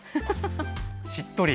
しっとり。